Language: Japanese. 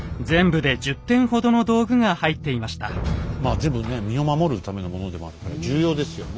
全部身を守るためのものでもあるから重要ですよね。